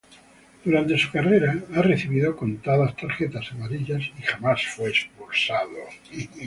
Durante su carrera ha recibido contadas tarjetas amarillas y jamás fue expulsado.